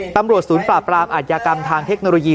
ตำรวจศูนย์ปราบรามอาทยากรรมทางเทคโนโลยี